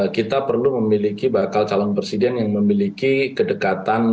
kita perlu memiliki bakal calon presiden yang memiliki kedekatan